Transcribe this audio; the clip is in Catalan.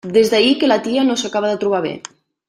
Des d'ahir que la tia no s'acaba de trobar bé.